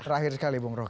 terakhir sekali bung rok